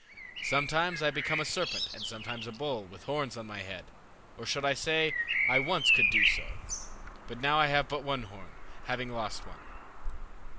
Sometimes I become a serpent, and sometimes a bull, with horns on my head. Or I should say I once could do so; but now I have but one horn, having lost one."